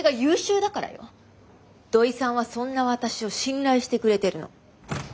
土井さんはそんな私を信頼してくれてるの。